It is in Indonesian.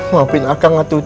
maafin akang atu tin